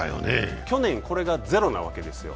去年、これがゼロなわけですよ。